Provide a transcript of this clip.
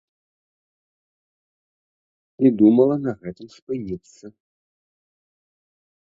І думала на гэтым спыніцца.